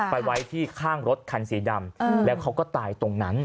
ไว้ที่ข้างรถคันสีดำแล้วเขาก็ตายตรงนั้น